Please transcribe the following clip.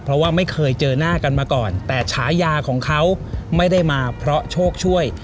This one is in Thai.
เพราะว่าไม่เคยเจอหน้ากันมาก่อนแต่ฉายาของเขาไม่ได้มาเพราะโชคช่วย